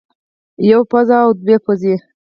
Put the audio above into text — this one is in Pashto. يوه پوزه او دوه پوزې